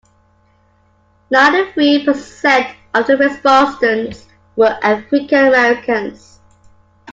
Ninety-three percent of the respondents were African-Americans.